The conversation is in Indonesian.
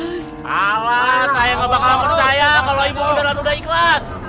alah saya gak bakal percaya kalau ibu muda muda ikhlas